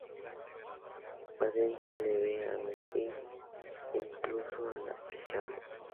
Padecen una leve anemia a veces incluso inapreciable.